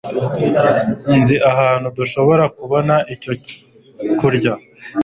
Nzi ahantu dushobora kubona icyo kurya.